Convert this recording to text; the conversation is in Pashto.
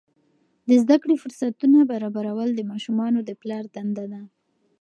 د زده کړې فرصتونه برابرول د ماشومانو د پلار دنده ده.